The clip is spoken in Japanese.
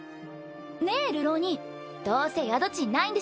ねえ流浪人どうせ宿賃ないんでしょ？